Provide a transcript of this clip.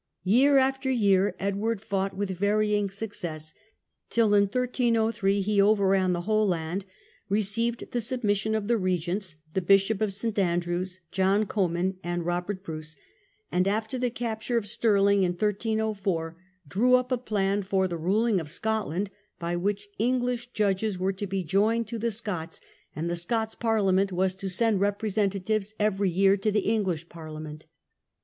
Year after year Edward fought, with varying success, till in 1303 he over ran the whole land, received the submission of the regents — the Bishop of S. Andrews, John Comyn, and Robert Bruce, — ^and after the capture of Stirling, in 1304, drew up a plan for the ruling of Scotland, by which English judges were to be joined to the Scots and the Scots 96 THE LAST WAR. Parliament was to send representatives every year to the English Parliament.